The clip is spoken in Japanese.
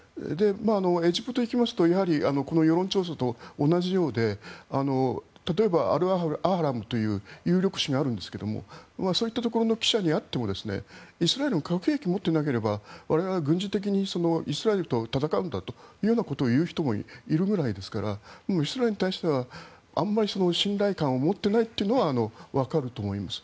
エジプトに行きますとこの世論調査と同じようで例えば、アル・アハラムという有力紙があるんですが有力紙があるんですがそういうところの記者に聞くとイスラエルは核兵器を持っていなければイスラエルと戦うんだというようなことを言う人もいるぐらいですからイスラエルに対してはあんまり信頼感を持っていないというのはわかると思います。